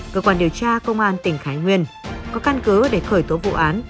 cơ quan điều tra công an tỉnh thái nguyên có căn cứ để khởi tố vụ án